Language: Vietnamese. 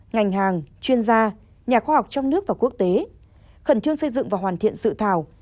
ngành hàng chuyên gia nhà khoa học trong nước và quốc tế khẩn trương xây dựng và hoàn thiện sự thảo